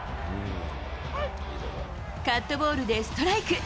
カットボールでストライク。